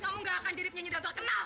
kamu gak akan jadi penyanyi dan terkenal